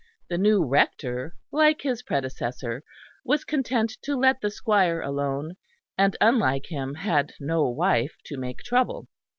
The new rector, like his predecessor, was content to let the squire alone; and unlike him had no wife to make trouble.